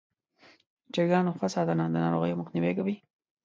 د چرګانو ښه ساتنه د ناروغیو مخنیوی کوي.